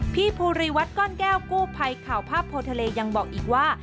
พี่ภูริวัตรก้อนแก้วกู้ภัยข่าวภาพโพทะเลยังบอกอีกว่า